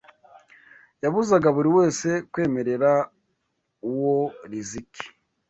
yabuzaga buri wese kwemerera uwo Riziki